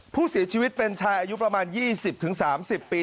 ผู้เสียชีวิตเป็นชายอายุประมาณ๒๐๓๐ปี